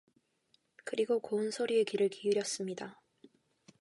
그리고 고운 소리에 귀를 기울였습니다.